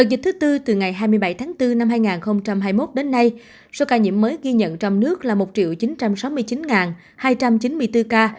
vào dịp thứ tư từ ngày hai mươi bảy tháng bốn năm hai nghìn hai mươi một đến nay số ca nhiễm mới ghi nhận trong nước là một chín trăm sáu mươi chín hai trăm chín mươi bốn ca